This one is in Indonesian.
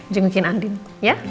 nungguin andin ya